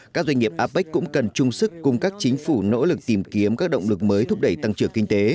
các doanh nghiệp apec cũng cần chung sức cùng các chính phủ nỗ lực tìm kiếm các động lực mới thúc đẩy tăng trưởng kinh tế